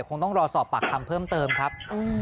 คงต้องรอสอบปากคำเพิ่มเติมครับ